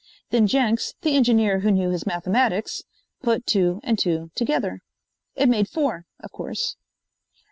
Then Jenks, the engineer who knew his mathematics, put two and two together. It made four, of course.